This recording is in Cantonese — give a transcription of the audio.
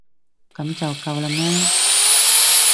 噉就夠喇咩？